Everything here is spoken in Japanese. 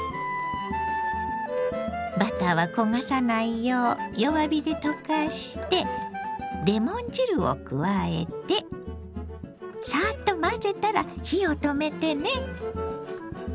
バターは焦がさないよう弱火で溶かしてレモン汁を加えてさっと混ぜたら火を止めてね。